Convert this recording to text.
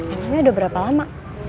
emangnya udah berapa lama